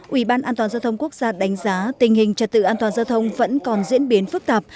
ủy ban an toàn giao thông quốc gia đánh giá tình hình trật tự an toàn giao thông vẫn còn diễn biến phức tạp